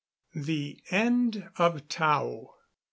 THE END OF TAO.